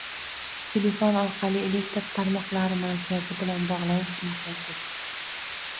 Telefon orqali elektr tarmoqlari markazi bilan bogʻlanish imkonsiz.